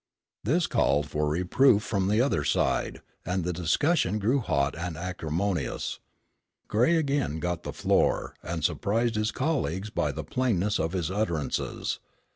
This called for reproof from the other side, and the discussion grew hot and acrimonious. Gray again got the floor, and surprised his colleagues by the plainness of his utterances.